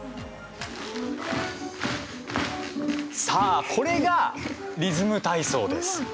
さあ、これがリズム体操です。